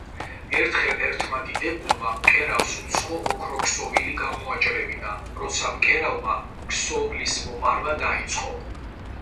ერთხელ ერთმა დიდებულმა, მკერავს უცხო ოქროქსოვილი გამოაჭრევინა. როცა მკერავმა ქსოვლის მოპარვა დაიწყო,